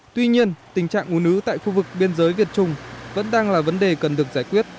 tuy nhiên tình trạng u nứ tại khu vực biên giới việt trung vẫn đang là vấn đề cần được giải quyết